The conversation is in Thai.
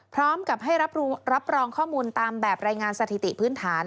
พร้อมกับให้รับรองข้อมูลตามแบบรายงานสถิติพื้นฐาน